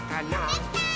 できたー！